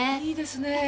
いいですね。